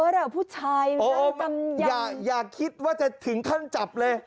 กูภัยตกงานล่ะ